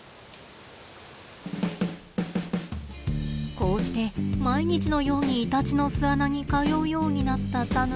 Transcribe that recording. こうして毎日のようにイタチの巣穴に通うようになったタヌキ。